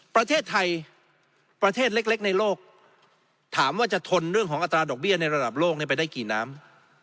ประเทศไทยประเทศเล็กในโลกถามว่าจะทนเรื่องของอัตราดอกเบี้ยในระดับโลกไปได้กี่น้ำ